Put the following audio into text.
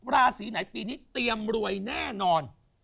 ราศีไหนปีนี้เตรียมรวยแน่นอน